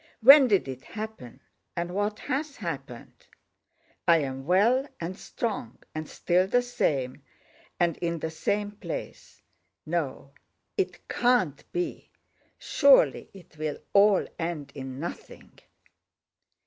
When did it happen and what has happened? I am well and strong and still the same and in the same place. No, it can't be! Surely it will all end in nothing!"